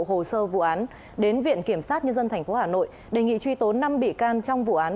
hồ sơ vụ án đến viện kiểm sát nhân dân tp hà nội đề nghị truy tố năm bị can trong vụ án